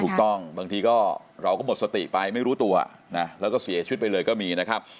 บางทีก็เราก็หมดสติไปไม่รู้ตัวนะแล้วก็เสียชีวิตไปเลยก็มีนะครับ